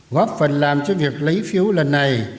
góp phần làm cho việc lấy phiếu lần này